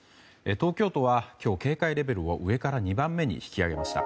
東京都は今日警戒レベルを上から２番目に引き上げました。